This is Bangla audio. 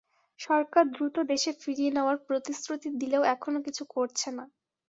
সরকার দ্রুত দেশে ফিরিয়ে নেওয়ার প্রতিশ্রুতি দিলেও এখনো কিছু করছে না।